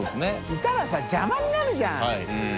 いたらさ邪魔になるじゃん。